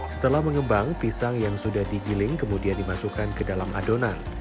setelah mengembang pisang yang sudah digiling kemudian dimasukkan ke dalam adonan